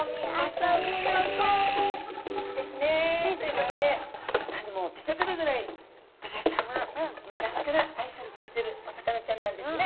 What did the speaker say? ですね。ということで歌にも出てくるぐらいドジョウちゃんは昔から愛されてきてるお魚ちゃんなんですね。